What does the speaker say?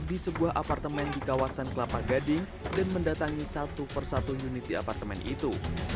di sebuah apartemen di kawasan kelapa gading dan mendatangi satu persatu unit di apartemen itu